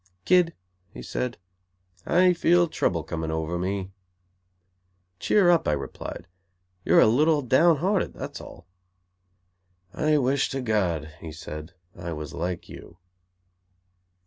"Kid," he said, "I feel trouble coming over me." "Cheer up," I replied. "You're a little down hearted, that's all." "I wish to God," he said, "I was like you."